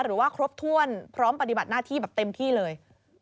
หรือว่าครบถ้วนพร้อมปฏิบัติหน้าที่แบบเต็มที่เลย